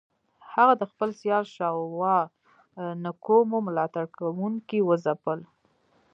هغه د خپل سیال جاشوا نکومو ملاتړ کوونکي وځپل.